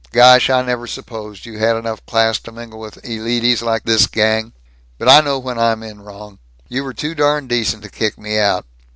Gosh, I never supposed you had enough class to mingle with elittys like this gang, but I know when I'm in wrong. You were too darn decent to kick me out.